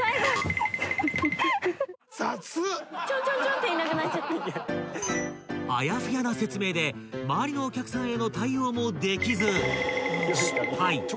［あやふやな説明で周りのお客さんへの対応もできず］